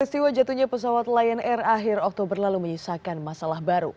peristiwa jatuhnya pesawat lion air akhir oktober lalu menyisakan masalah baru